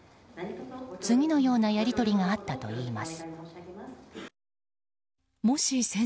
次のようなやり取りがあったといいます。